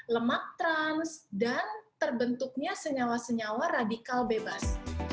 lemak trans dan terbentuknya senyawa senyawa radikal bebas